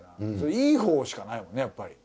いいほうしかないもんねやっぱり。